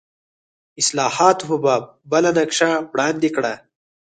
اصلاحاتو په باب بله نقشه وړاندې کړه.